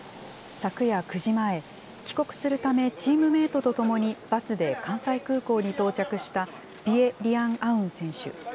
昨夜９時前、帰国するためチームメートと共にバスで関西空港に到着したピエ・リアン・アウン選手。